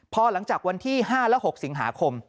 พอหลังจากวันที่๕และ๖สิงหาคม